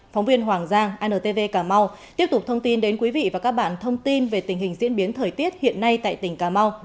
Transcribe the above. phóng viên hoàng giang antv cà mau tiếp tục thông tin đến quý vị và các bạn thông tin về tình hình diễn biến thời tiết hiện nay tại tỉnh cà mau